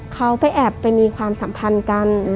เขาไปแอบไปมีความสัมพันธ์กัน